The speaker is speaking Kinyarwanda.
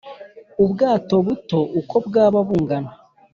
ubwato buto uko bwaba bungana